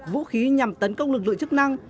vũ khí nhằm tấn công lực lượng chức năng